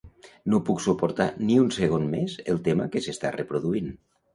No puc suportar ni un segon més el tema que s'està reproduint.